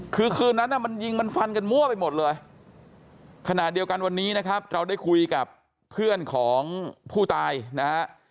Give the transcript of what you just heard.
คือคืนนั้นมันยิงมันฟันกันมั่วไปหมดเลยขณะเดียวกันวันนี้นะครับเราได้คุยกับเพื่อนของผู้ตายนะฮะ